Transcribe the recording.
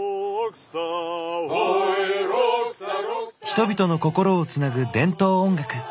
人々の心をつなぐ伝統音楽。